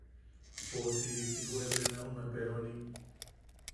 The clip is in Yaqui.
Poosi, si juebena jume peronim.